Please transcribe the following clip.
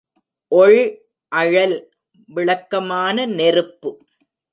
ஒள் அழல்—விளக்கமான நெருப்பு.